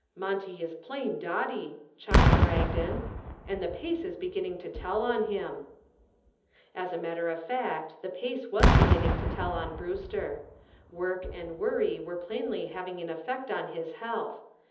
"Monty is plain dotty," chimed Bragdon, "and the pace is beginning to tell on him." As a matter of fact the pace was beginning to tell on Brewster. Work and worry were plainly having an effect on his health.